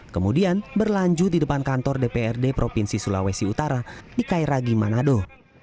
kemudian berlanjut di depan kantor dprd provinsi sulawesi utara di kairagi manado